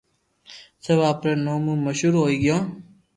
سب آپري نوم مون مݾھور ھوئي گيو